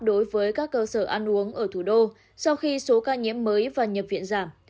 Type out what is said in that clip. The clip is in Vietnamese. đối với các cơ sở ăn uống ở thủ đô sau khi số ca nhiễm mới và nhập viện giảm